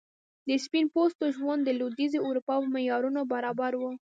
د سپین پوستو ژوند د لوېدیځي اروپا په معیارونو برابر و.